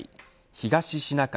東シナ海